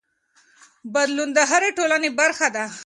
بدلون د هرې ټولنې برخه ده.